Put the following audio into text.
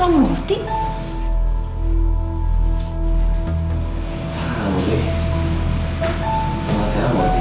gak senang murti sama murti